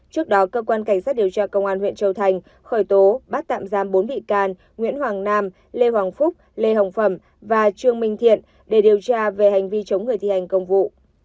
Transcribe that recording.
trước đó cơ quan cảnh sát điều tra công an huyện châu thành khởi tố bắt tạm giam bốn bị can nguyễn hoàng nam lê hoàng phúc lê hồng phẩm và trương minh thiện để điều tra về hành vi chống người thi hành công vụ